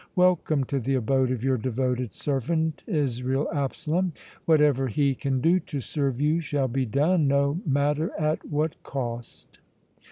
Welcome to the abode of your devoted servant Israel Absalom! Whatever he can do to serve you shall be done, no matter at what cost!"